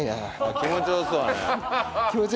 気持ちよさそう。